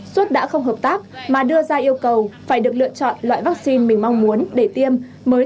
suốt đã không hợp tác mà đưa ra yêu cầu phải được lựa chọn loại vaccine mình mong muốn để tiêm